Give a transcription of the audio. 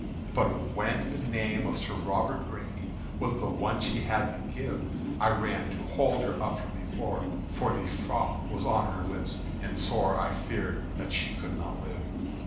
But when the name of Sir Robert Græme Was the one she had to give, I ran to hold her up from the floor; For the froth was on her lips, and sore I feared that she could not live.